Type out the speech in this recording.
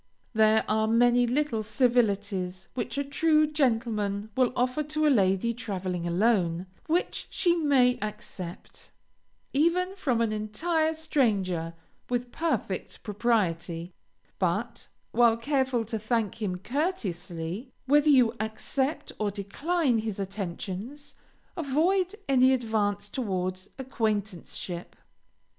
There are many little civilities which a true gentleman will offer to a lady traveling alone, which she may accept, even from an entire stranger, with perfect propriety; but, while careful to thank him courteously, whether you accept or decline his attentions, avoid any advance towards acquaintanceship.